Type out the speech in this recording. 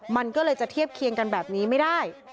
มันก็เลยจะเทียบเคียงกันแบบนี้ไม่ได้